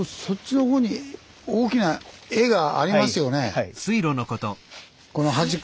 はい。